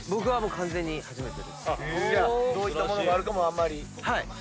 じゃあどういったものがあるかもあんまり。